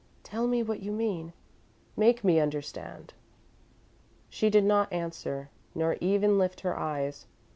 Tell me what you mean! Make me understand!" She did not answer, nor even lift her eyes.